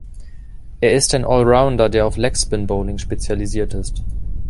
Er ist ein All-rounder, der auf Leg-Spin-Bowling spezialisiert ist.